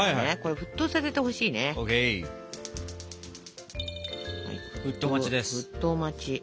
沸騰待ち。